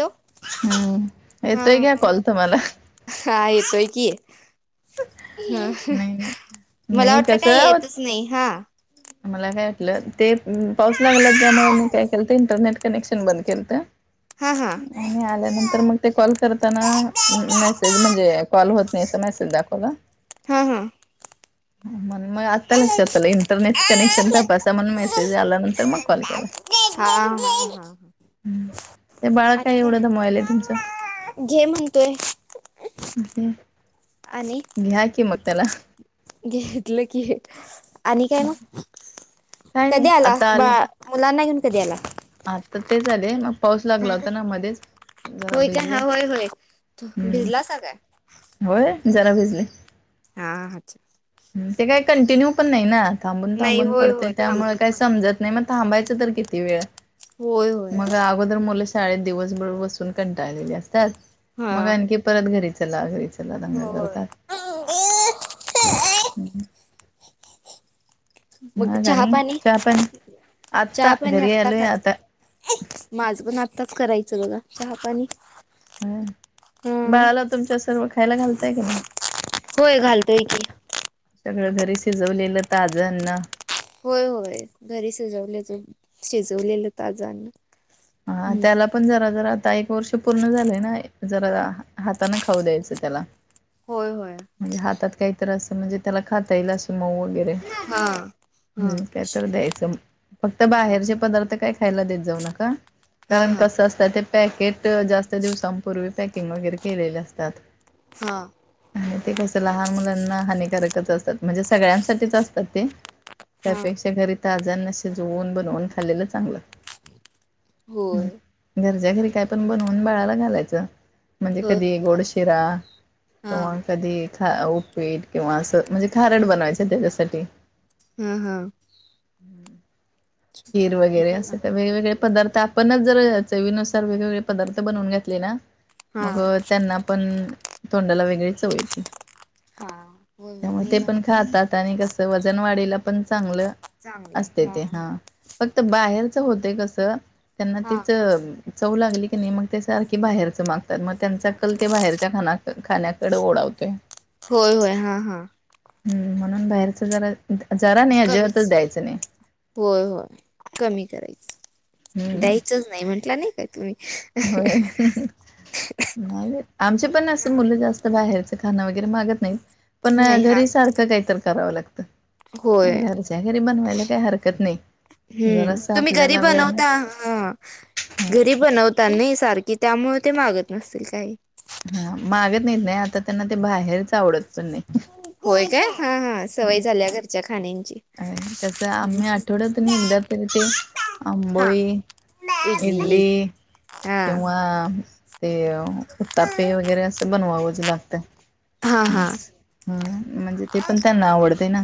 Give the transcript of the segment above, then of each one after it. Hello हम्म हा येतोय घ्या कॉल तुम्हाला. सय की ह नाही नाही मला नाही वाटलं काही कसं येतच नाही हा. मला काय वाटलं ते पाऊस लागला त्यामुळे मी काय केलंत इंटरनेट कनेक्शन बंद केलत. हा हा आणि हा आल्यानंतर मग ते कॉल करताना मेसेज म्हणजे कॉल होत नाही अस मेसेज दाखवला. हम हम. म मग आत्ता लक्षात आलं इंटरनेट कनेक्शन तपासा म्हण मेसेज आल्या नंतर मग कॉल केला. हा ते बाळ काय एवढं दमायलय तुमचं घे म्हणतोय े आणि घेतलं की, आणि काय कधी नाही आला आता बा आले मुलांना घेऊन कधी आला, आता ते झाले मग पाऊस लागला होता ना मध्येच, जरा होय का भिजले हा होय होय हम्म भिजला स काय होय जरा भिजली. हा अच्छा हम्म ते काही कंटिन्यू पण नाही ना थांबून नाही थांबून होय पडतंय होय त्यामुळे थांबून काही समजत नाही मग थांबायचं तर किती वेळ होय होय मग अगोदर मुलं शाळेत दिवसभर बसून कंटाळलेली असतात, हा मग आणखी परत घरी चला, घरी चला दंगा होय. करतात. हम् मग चहा पाणी? आत्ता चहा पाणी घरी आत्ता आलोय आता करण माझं पण आत्ताच कराय चं बघा चहा पाणी हम्म बाळाला तुमच्या सर्व खायला घालताय की नाही? तंय कि सगळं घरी शिजवलेलं ताज अन्न होय होय घरी शिजवलेच शिजवलेलं ताज अन्न हा हम्म. त्याला पण जरा जरा आता एक वर्ष पूर्ण झालंय ना जरा हाताने खाऊ द्यायचं त्याला, होय होय म्हणजे हातात काहीतरी अस म्हणजे त्याला खाता येईल अस मऊ वगैरे हा हा हम्म काय तर द्यायचं. फक्त हा बाहेरचे पदार्थ काय खायला देत जाऊ नका हा कारण हा कसं असतं ते पॅकेट जास्त दिवसांपूर्वी पॅक किंग वगैरे केलेले असतात. हा हं ते कस लहान मुलांना हानी कारकचं असतात, म्हणजे सगळ्यांसाठीचं असतात ते त्यापेक्षा घरी ताज अन्न शि शिजवून, बनवून खाल्लेलं चांगलं. होय ज्या घरी काय पण बनवून बाळाला घालायचं म्हणजे होय कधी होय गोड घालतो शिरा हा किंवा कधी खा उपीट किंवा असं म्हणजे खारट बनवायचं त्याच्यासाठी हम्म हम्म खीर वगैरे अस घालत तर वेगवेगळे पदार्थ आपणचं जर चवीनुसार वेगवेगळे पदार्थ बनवून घातले ना हा मग त्यांना पण तोंडाला वेगळी चव येते. हा होय होय त्यामुळे नाही ते पण घालतो त्याला खातात आणि कसं वजन वाढीला पण चांगलं असते ते हा. बाहेरचं होतंय कस त्यांना हा तीच चव लागली की नाही मग ते सारखी बाहेरचं मागतात मग त्यांचा कल ते बाहेरच्या खाना खाण्याकडे ओढावतोय. होय होय हा हा हम्म म्हणून बाहेरचं जरा जरा नाही कमीच अजिबातचं द्यायचं नाही. करायच. हम्म द्यायचचं नाही म्हंटलं नाही काय तुम्ही होय नाही बाई आमचे पण अस मुलं जास्त बाहेरच खाण वगैरे मागत नाहीत पण नाही हा घरी सारखं काहीतर करावं लागतं. होय घरच्या घरी बनवायला काही हरकत नाही. हम्म जरासं तुम्ही घरी आपल्याला वेळ मिळ बनवता घरी बनवता नाही सारखे की त्यामुळे ते मागत नसतील काही हा मागत नाहीत नाही आता त्यांना ते बाहेरचं आवडत पण नाही होय काय हा हा सवय झाल्या घरच्या खाण्यांची होय. कसं आहे आम्ही आठवड्यातून एकदा तरी ते हा आंबोळी इडली हा किंवा ते उत्तापे वगैरे असं बनवावंच लागतं, हा हं हा हम्म म्हणजे ते पण त्यांना आवडतंय ना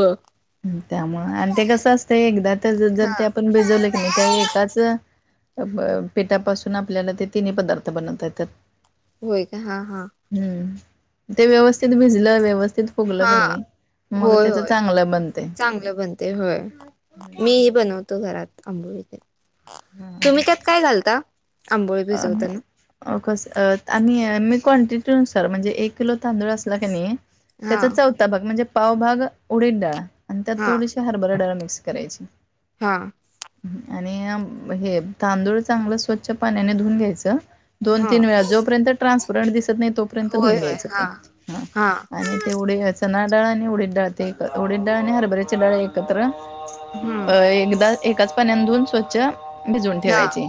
[unintelligible] हम्म त्यामुळं आणि ते हा कसं असतंय एकदा त जर ते आपण भिजवलं की नाय त्या एकाच अब पिठापासून आपल्याला ते तिन्ही पदार्थ बनवता येतात. होय का हा हा हम्म ते व्यवस्थित भिजलं, व्यवस्थित फुगलं हा क नाई मग होय त्याज होय चांगलं बनतय होय मी ही बनवतो घरात अबोली ते हां. तुम्ही त्यात काय घालता? आंबोळी भिजवताना? अ कस आम्ही मिर्च क्वांटिटीनुसार म्हणजे एक किलो तांदूळ असला कणी हां, त्याचा चौथा भाग म्हणजे पावभाग उडीट डाळ आणि त्यात थोडीशी हरभरा डाळा मिक्स करायची. हा आणि मग हे तांदूळ चांगलं स्वच्छ पाण्याने धुऊून घ्यायचं. दोन हां. -तीन वेळा जोपर्यंत ट्रान्सपरंट दिसत नाही तोपर्यंत होय, धुन होय. घ्यायचं ते हां, हां, आणि ते उडीद, चणा डाळ आणि उडी डाळ ते उडीद आणि हरभरीचे डाळ एकत्र अ हं. एकदा एकाच पाण्यानं स्वच्छ भिजवून हां, ठेवायचे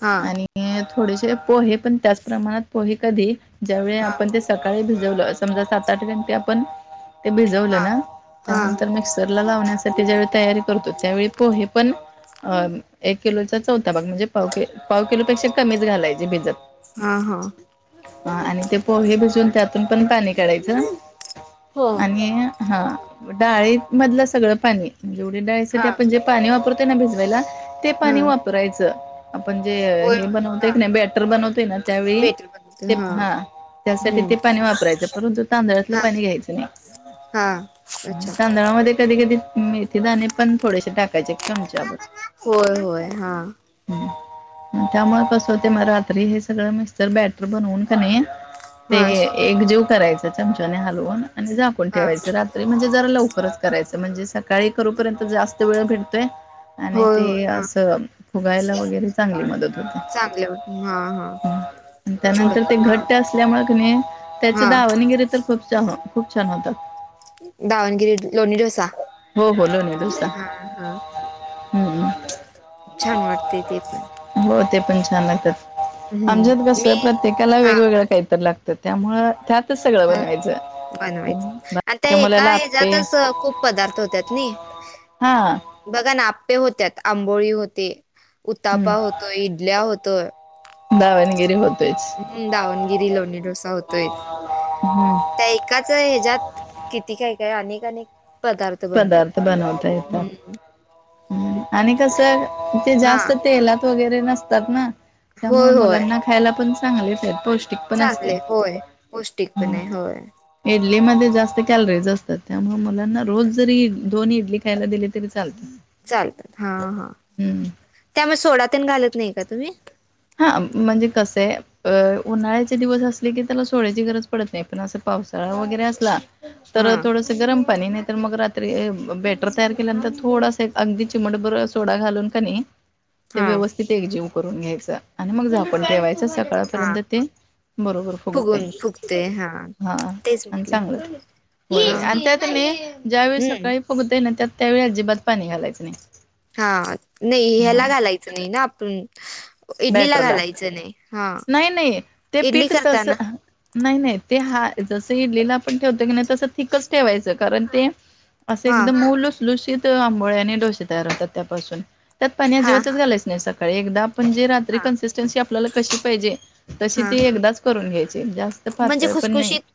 हां, आणि थोडेसे पोहे पण त्याच प्रमाणात पोहे कधी ज्यावेळी हां, आपण ते सकाळी भिज समजा सात आठ घंटे आपण ते भिजवलं हां, ना.. हां, त्यानंतर मिक्सरला लावण्यासाठी ज्यावेळी तयारी करतो त्यावेळी पोहे पण एक किलोचा चौथा भाग म्हणजे पाव किलो... पाव किलोपेक्षा पण कमीच घालायची भिजत. हां, हां. हा आणि ते पोहे भिजवून त्यातून पण पाणी काढायचं. हो. आणि हा डाळीमधलं सगळं पाणी जेवढी डाळीसाठी हां, आपण जे पाणी वापरतोय ना भिजवायला. ते पाणी हं. वापरायचं. आपण जे होय, हे होय. बनवतोय क हां. नय बॅटर बनवतोय ना त्यावेळी बेटर बनवते. ते हां, हा त्यासाठी हं. ते पाणी वापरायचं. परंतु तांदळातलं हां, पाणी घ्यायचं नाही. हां. अच्छा. तांदळामध्ये कधी कधी मेथी दाणे पण थोडेसे टाकायचे. चमचाभर होय होय हा हम्म. त्यामुळे कस होते. मग रात्री हे सगळं मिक्सचर बॅटर बनवून कणी ते हां, एक जीव करायचं चमचाने हलवून आणि झाकून हां. ठेवायच रात्री म्हणजे जरा लवकरच करायचं. म्हणजे सकाळी करूपर्यंत जास्त वेळ भेटतोय आणि होय, होय. ते हां. असं खूप फुगायला वगैरे चांगली मदत होते. हा हा आणि त्यानंतर ते घट्ट असल्यामुळे कणी त्याचे हां. दावणगिरी तर उत्तम खूप छान होतात. दावणगिरी लोणी डोसा हो हो लोणी डोसा हां, हां. छान वाटतेय ते पण एकदम छान लागतात. आमच्यात हम्म कस मी प्रत्येकाला हा वेगवेगळ काहीतर लागतं त्यामुळे त्या हा बनवायच आणि त्या बारक्या मुलाला एका आप्पे हच्यातच खूप पदार्थ पदार्थ होतात नाही. हा बघा ना आप्पे होत्यात. आंबोळी होते. उतापा हम्म. होतो. इडल्या होत्यात. दावणगिरी हो हम्म दावणगिरी लोणी डोसा होतोय. हम्म. त्या एकाच ह्याच्यात किती काय काय अनेक अनेक पदार्थ बनतात पदार्थ बनवता येतात. हम्म आणि कस ते हा जास्त तेलात वगैरे नसतात ना... त्यामुळे होय होय मुलांना खायला पण चांगलेच आहेत. पौष्टिक पण असते चांगले होय पौष्टिक पण हम्म. आहे. होय इडलीमध्ये जास्त कॅलरीज असतात. त्यामुळे मुलांना रोज जरी दोन इडली खायला दिले तरी चालते चालत हा हा... हम्म त्यामध्ये सोडा तेन घालत नाही का तुम्ही? हा म्हणजे कसं आहे. अ उन्हाळ्याचे दिवस असले की त्याला सोड्यायची गरज पडत नाही. पण असं पावसाळा वगैरे असला हा तर थोडस गरम पाणी नाही तर मग रात्री बॅटर तयार केल्यानंतर थोडासा अगदी चिमटभर सोडा घालून कनी ते हा व्यवस्थित एकजीव करून घ्यायचा. आणि मग झाकून हा ठेवायचं हा सकाळपर्यंत ते बरोबर फुगतय. फुगून फुगते हा हा तेच आणि म्हटलं चांगलं हा हा आणि त्यात ज्यावेेळी हम्म सकाळी फुघत आहे ना त्यात, त्यावेळी अजिबात पाणी घालायचं नाही. हा नाही हां, ह्याला घालायचं नाही ना आपण इडलीला बॅटरला. घालायचं नाही हा नाही, नाही. ते इडली पीठ तसं करताना. हं, नाही नाही ते हा जसं इडलीला आपण ठेवतो की नाही तस थिकच ठेवायचं कारण ते, असे हा एकदम मऊ लुशलुशीत आंबोळ्या आणि डोसे तयार होतात त्यापासून त्यात पाणी हा अजिबातच हा घालायच नाही सकाळी एकदा म्हणजे रात्री हा कन्सिस्टन्सी आपल्याला कशी पाहिजे. तशी हा ती हा एकदाच करून घ्यायची जास्त म्हणजे पातळ पण नाही. खुसखुशीत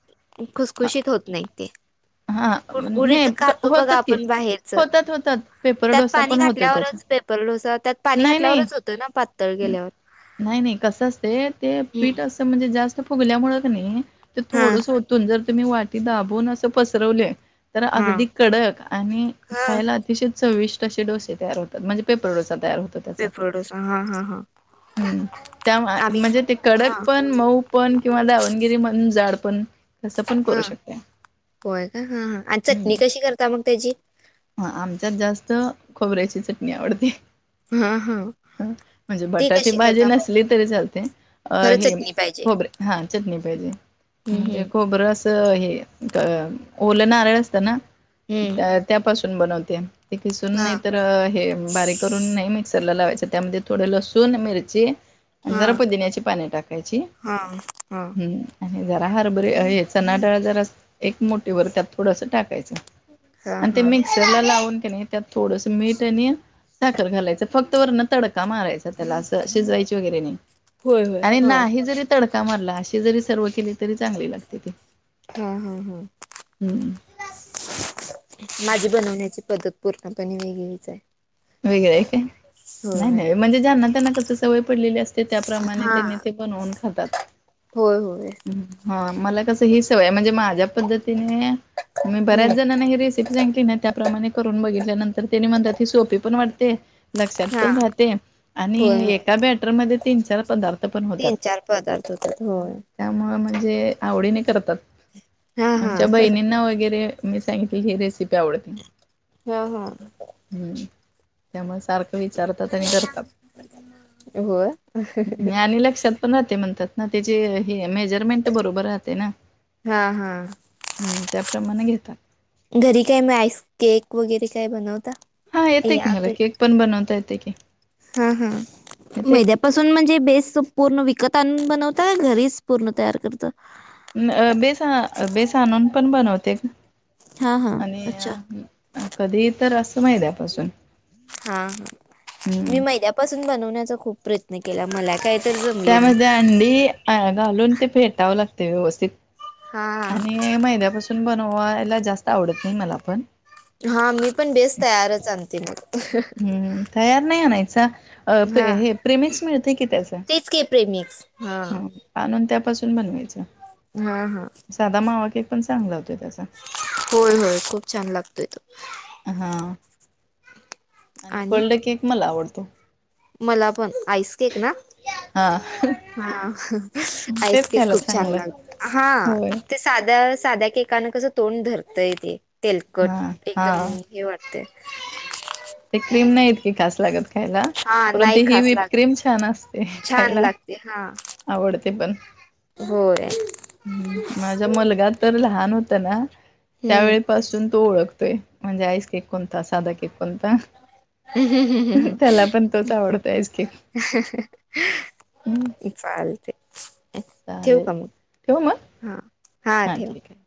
खुसखुशीत होत नाहीत ते, हा कुरकुरीत नाही खातो बघा होतात की आपण बाहेरच होतात, होतात. पेपर त्यात डोसा पाणी पण होतोय त्याचा. घातल्यावरच पेपर डोसा त्यात पाणी घातल्यावरच होतं ना पा नाही-नाही कस असते ते हम्म पीठ असं म्हणजे जास्त फुगल्यामुळ का नाही. ते हा थोडंस ओतून जर तुम्ही वाटी दाबून असं पसरवले. तर हा अगदी कडक आणि ह खायला अतिशय चविष्ट असे डोसे तयार होतात म्हणजे पेपर डोसे पेपर डोसा हा-हा-हा ह् त्या म्हणजे ते हा कडक पण मऊ पण किंवा दावणगिरी म्हण जाड पण कस पण हा करू शकते. होय का हा-हा आणि चटणी कशी करता मग त्याची तर खोबऱ्याची चटणी आवडते. हा-हा म्हजे बटाटे भाजी नसली तरी चालते खरं हे चटणी पाहिजे. खोबरे हा चटणी पाहिजे. हं, म्हणजे हं, खोबंर अस हे ओल नारळ असत ना हं. त्यापासून बनवते. ते खिसून नाही हां, तर हे बारीक करून नाही मिक्सरला लावायचं त्यामध्ये, थोडे लसूण मिरची, जरा हां, पुदिन्याची पान टाकायची हां, हां, हम्म आणि जरा हरभरी हे चनाडाळ जरा एक मोठीवर त्यात थोडस टाकायचं हां, आणि ते हां. मिक्सरला लावून त्यात थोडस मीठ आणि साखर घालायचं फक्त वरण तडका मारायचा. त्याला असं असेच शिजवायचे वगैरे नाही होय, होय. आणि हां. नाही जरी तडका मारला अशी जरी सर्व केले. तरी चांगली लागते ती हां, हां, हां. हम् माझी बनवण्याची पद्धत पूर्णपणे वेगळीच आहे. वेगळं आहे काय होय. नाही-नाही म्हणजे ज्यांना त्यांना कस सवय पडलेली असते. ते त्याप्रमाणे हां. त्याने ते बनवून खातात. होय, होय. हा मला कसं ही सवय म्हणजे माझ्या पद्धतीने मी बऱ्याच हं. जणांना ही रेसिपी सांगितली ना त्याप्रमाणे करून बघितल्यानंतर त्या म्हणतात ही सोपी पण वाटते. लक्षात पण हां. राहते होय, आणि होय. एका बॅटरमध्ये तीन चार पदार्थ पण होतात. पदार्थ होतात. होय. त्यामुळे म म्हणजे आवडीने करतात. हां, आमच्या हां. बहिणीनां वगैरे मीच सांगितली ही रेसिपी आवडते. हा-हा हम्म त्यामुळे सारखी विचारतात आणि करतात होय. आणि लक्षात पण राहते म्हणतात. ना त्याची हे मेजरमेंट बरोबर राहते ना, हा-हा प्रमाणे घेतात. घरी काय मी आईस केक वगैरे काय बनवता. हा येते की मला केक पण बनवता येते की, हा-हा येते मैद्यापासून म्हणजे बेस, पूर्ण विकत आनून बनवत घरीच पूर्ण तयार करत. बेस बेसाणून पण बनवते का. हा हा अच्छा आणि कधी तर असं माहिद्यापासून हा हा मी मैद्यापासून बनवण्याचा खूप प्रयत्न के त्यामध्ये अंडी अ घालून ते फेटावं लागत व्यवस्थित हा हा आणि महिन्यापासून बनवायला जास्त आवडत नाही मला पण. हा मी पण बेस तयारच आणते म. हम्म तयार नाही आणयचा हा हे प्रेमीस मिळते कि त्याच. तेच के प्रेमिक्स हा ह आणून त्यापासून नवाय हा हा साध मावाक पण चांगला होता. होय होय खूप छान लागतोय तो. हा आणि कोल्ड केक मला आवडतो. मला पण आईसकक ना. हा हा तेच आईस्क्रीम खायला खूप छान चांगलं लागत हा होय ते साध्या साध्या केकानं कसं तोंड धरतय ते हा तेलकट एकदम हा हे वाटतंय. ते क्रीम नाहीेत. खास लागत खायला हा परंतु नाही ही खास लागत विपक्रीम नाही छान असते छान खायला लागते हा आडतीपण होय ह् माझ्या मुलगा तर लहान होत ना, त्यावेळीपासून तो ओळखतोय म्हणजे आईस केक कोणता साधा केक कोणता. त्याला ह् पण तोच आवडतो आईस केक ह् ह. चालतंय. ठेव चालेल का मग ठेव मग हा हा ठेवा. ठीक आहे